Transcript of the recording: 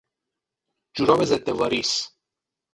جوراب ضد واریس